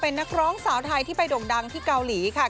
เป็นนักร้องสาวไทยที่ไปโด่งดังที่เกาหลีค่ะ